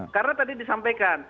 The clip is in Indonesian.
karena tadi disampaikan